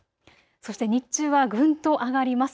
そして日中はぐんと上がります。